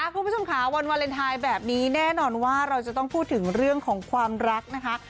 คุณผู้ชมค่ะวันวาเลนไทยแบบนี้แน่นอนว่าเราจะต้องพูดถึงเรื่องของความรักนะคะ